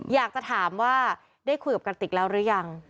อยากจะถามว่าได้คุยกับกระติกแล้วหรือยัง